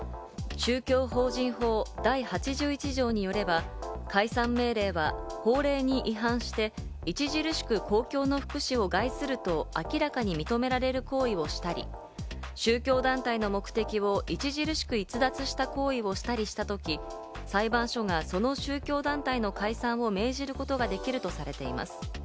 宗教法人法第８１条によれば、解散命令は法令に違反して著しく公共の福祉を害すると明らかに認められる行為をしたり、宗教団体の目的を著しく逸脱した行為をしたりした時、裁判所がその宗教団体の解散を命じることはできるとされています。